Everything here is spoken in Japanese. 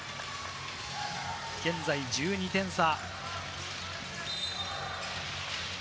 現在、１２点差。